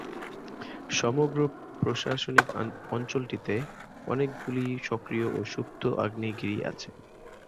সমগ্র প্রশাসনিক অঞ্চলটিতে অনেকগুলি সক্রিয় ও সুপ্ত আগ্নেয়গিরি আছে।